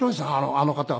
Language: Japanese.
あの方は。